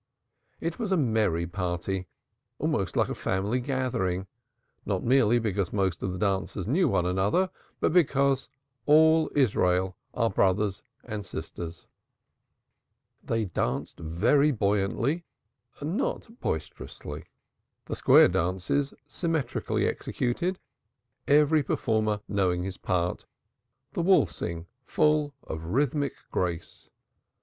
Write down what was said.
It was a merry party, almost like a family gathering, not merely because most of the dancers knew one another, but because "all Israel are brothers" and sisters. They danced very buoyantly, not boisterously; the square dances symmetrically executed, every performer knowing his part; the waltzing full of rhythmic grace.